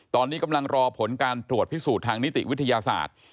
ตอนนี้กำลังรอผลการตรวจพิสูจน์ทางนิติวิทยาศาสตร์